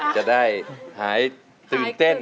จะได้หายตื่นเต้น